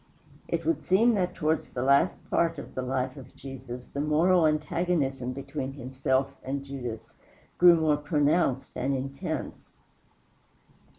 It would seem that towards the last part of the life of Jesus the moral antagonism between himself and Judas grew more pronounced and intense.